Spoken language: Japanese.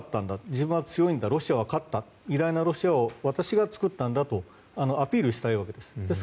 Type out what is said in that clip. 自分は強いんだ、ロシアは勝った偉大なロシアを私が作ったんだとアピールしたいわけです。